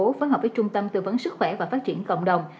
thành phố phối hợp với trung tâm tư vấn sức khỏe và phát triển cộng đồng